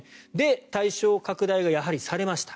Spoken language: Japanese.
対象拡大はやはりされました。